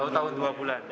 satu tahun dua bulan